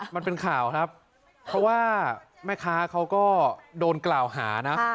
มันเป็นข่าวครับเพราะว่าแม่ค้าเขาก็โดนกล่าวหานะ